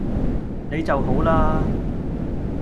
你就好啦